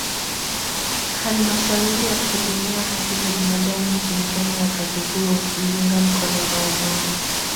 Halmashauri ya kupigania haki za binadamu nchini Kenya wakati huo iliunga mkono maumau